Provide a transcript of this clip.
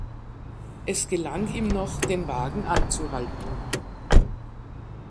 Es gelang ihm noch, den Wagen anzuhalten.